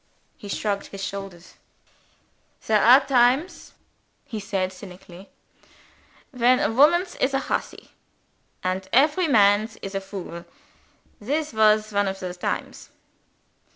He shrugged his shoulders. "There are times," he said cynically, "when every womans is a hussy, and every mans is a fool. This was one of the times."